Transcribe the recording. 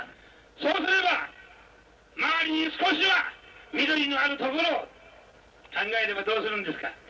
そうすれば周りに少しは緑のある所を考えればどうするんですか。